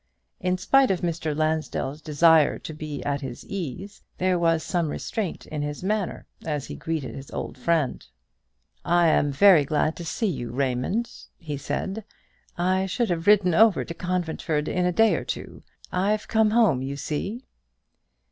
In spite of Mr. Lansdell's desire to be at his ease, there was some restraint in his manner as he greeted his old friend. "I am very glad to see you, Raymond," he said. "I should have ridden over to Conventford in a day or two. I've come home, you see."